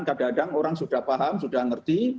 kadang kadang orang sudah paham sudah ngerti